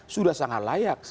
sudah sangat layak